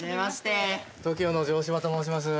ＴＯＫＩＯの城島と申します。